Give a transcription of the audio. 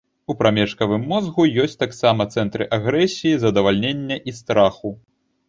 У прамежкавым мозгу ёсць таксама цэнтры агрэсіі, задавальнення і страху.